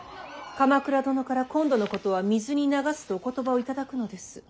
鎌倉殿から今度のことは水に流すとお言葉を頂くのです。